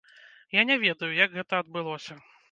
Я не ведаю, як гэта адбылося.